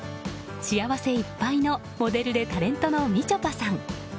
幸せいっぱいのモデルでタレントのみちょぱさん。